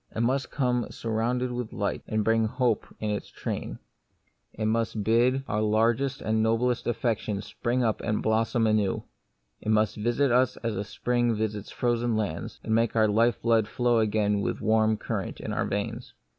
It must come surrounded with light, and bring hope in its train ; it must bid our The Mystery of Pain, g largest and noblest affections spring up and blossom anew. It must visit us as spring visits the frozen lands, and make our life blood flow again with a warm current in our veins.